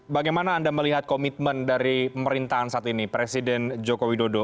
bagaimana anda melihat komitmen dari pemerintahan saat ini presiden joko widodo